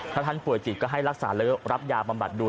ถ้าท่านป่วยจิตก็ให้รักษารับยาประบัติดู